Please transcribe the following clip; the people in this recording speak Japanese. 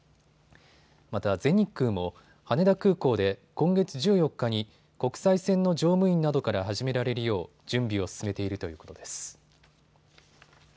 また全日空も羽田空港で今月１４日に国際線の乗務員などから始められるよう準備を進めているということです。